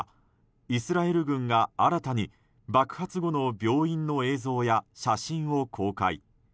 イスラエル軍が新たに爆発後の病院の映像や写真を公開。